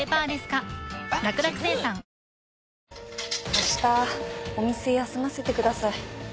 明日お店休ませてください。